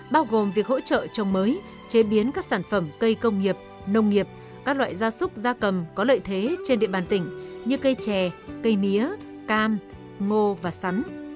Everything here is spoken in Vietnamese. bao gồm việc hỗ trợ trồng mới chế biến các sản phẩm cây công nghiệp nông nghiệp các loại gia súc gia cầm có lợi thế trên địa bàn tỉnh như cây chè cây mía